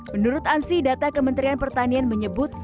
menurut ansi data kementerian pertanian menyebut